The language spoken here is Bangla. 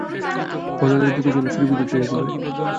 হরলালের বুকে যেন ছুরি বিঁধিতে লাগিল।